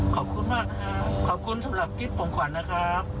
ขอบคุณมากครับขอบคุณสำหรับกิฟต์ของขวัญนะครับ